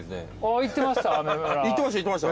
行ってました？